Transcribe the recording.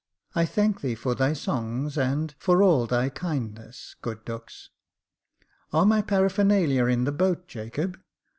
I thank thee for thy songs, and for all thy kindness, good Dux. Are my paraphernalia in the boat, Jacob